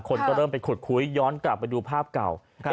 คนก็เริ่มไปขุดคุยย้อนกลับไปดูภาพเก่า